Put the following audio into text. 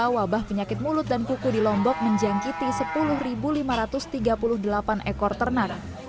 wabah penyakit mulut dan kuku di lombok menjangkiti sepuluh lima ratus tiga puluh delapan ekor ternak